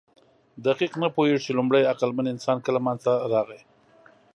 دقیق نه پوهېږو، چې لومړی عقلمن انسان کله منځ ته راغی.